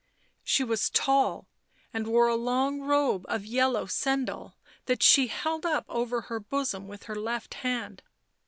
She was tall, and wore a long robe of yellow sendal that she held up over her bosom with her left hand.